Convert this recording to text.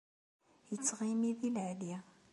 Ittɣimi di leɛli.